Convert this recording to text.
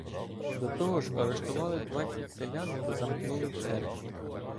До того ж арештували двадцять селян та замкнули в церкві.